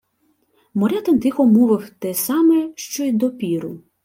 Морятин тихо мовив те саме, що й допіру: